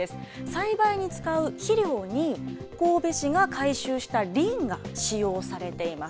栽培に使う肥料に、神戸市が回収したリンが使用されています。